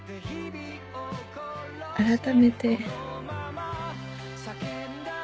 改めて。